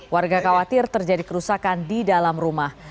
warga khawatir terjadi kerusakan di dalam rumah